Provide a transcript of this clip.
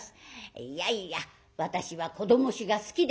「いやいや私は子ども衆が好きですからな。